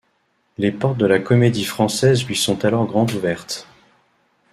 Les portes de la Comédie-Française lui sont alors grandes ouvertes.